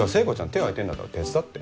手が空いてんだったら手伝って。